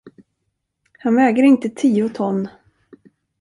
Han väger inte tio ton.